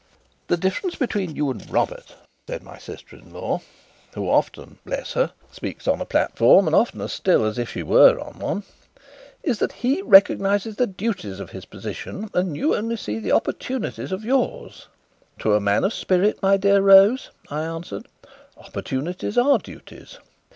"The difference between you and Robert," said my sister in law, who often (bless her!) speaks on a platform, and oftener still as if she were on one, "is that he recognizes the duties of his position, and you see the opportunities of yours." "To a man of spirit, my dear Rose," I answered, "opportunities are duties."